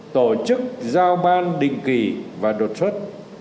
tổ chức giao ban định kỳ và đột xuất